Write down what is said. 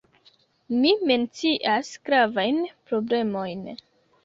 Mi mencias gravajn problemojn.